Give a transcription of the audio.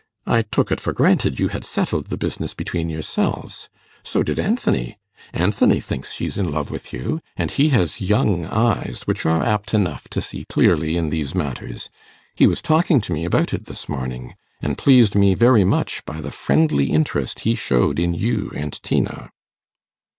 I took it for granted you had settled the business between yourselves; so did Anthony. Anthony thinks she's in love with you, and he has young eyes, which are apt enough to see clearly in these matters. He was talking to me about it this morning, and pleased me very much by the friendly interest he showed in you and Tina.